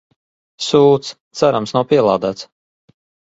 Sūds, cerams nav pielādēts.